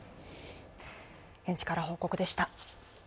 現地から報告でした。